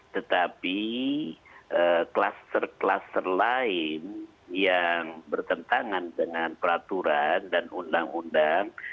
tetapi kluster kluster lain yang bertentangan dengan peraturan dan undang undang